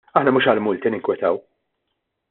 Aħna mhux għall-multi ninkwetaw.